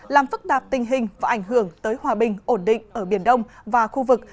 làm phức tạp tình hình và ảnh hưởng tới hòa bình ổn định ở biển đông và khu vực